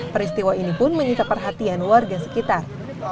peristiwa ini pun menyita perhatian warga sekitar